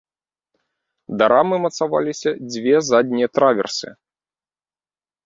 Да рамы мацаваліся дзве заднія траверсы.